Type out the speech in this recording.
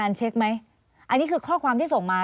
อันนี้คือข้อความที่ส่งมา